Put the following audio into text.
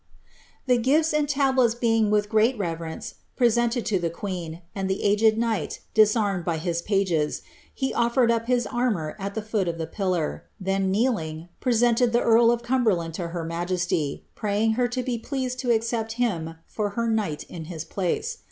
The giAs and tablets being with great reverence presented to the fneen, uid the aged knight disarmed by his pages, he ofiered np his vmoar at the foot of the pillar ; then kneeling, presented the earl of Onmberland to her majesty, praying her to be pleased to accept him for k» knight in his place.